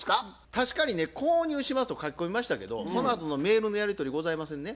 確かにね購入しますと書き込みましたけどそのあとのメールのやり取りございませんね。